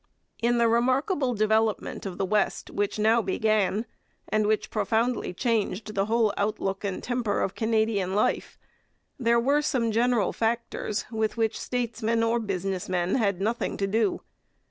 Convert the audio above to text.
In the remarkable development of the West which now began, and which profoundly changed the whole outlook and temper of Canadian life, there were some general factors with which statesmen or business men had nothing to do.